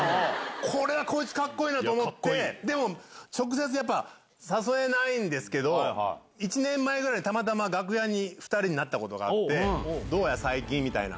これはこいつ、かっこいいなと思って、でも直接やっぱ誘えないんですけど、１年前ぐらいに、たまたま楽屋で２人になったことがあって、どうや、最近みたいな。